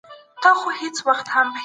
د غریبو د مشکل حل کول د ټولو مسؤلیت دی.